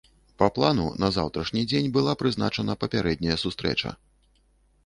Па плану на заўтрашні дзень была прызначана папярэдняя сустрэча.